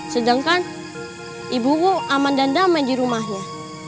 sedangkan ibumu aman dan damai di rumahnya